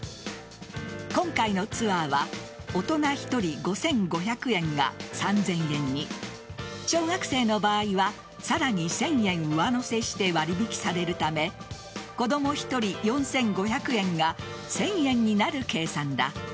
今回のツアーは大人１人５５００円が３０００円に小学生の場合はさらに１０００円上乗せして割引されるため子供１人４５００円が１０００円になる計算だ。